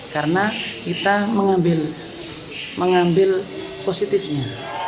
karena kita mengambil positifnya